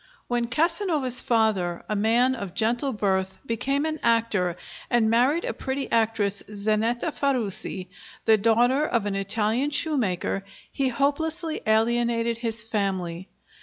When Casanova's father, a man of gentle birth, became an actor and married a pretty actress, Zanetta Farusi, the daughter of an Italian shoemaker, he hopelessly alienated his family.